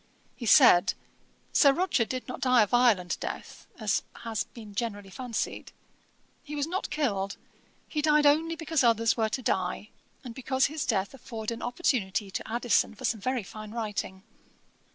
He said, 'Sir Roger did not die a violent death, as has been generally fancied. He was not killed; he died only because others were to die, and because his death afforded an opportunity to Addison for some very fine writing.